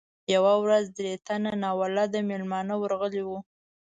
یوه ورځ درې تنه ناولده میلمانه ورغلي وو.